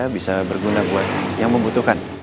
bisa berguna buat yang membutuhkan